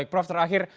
baik prof terakhir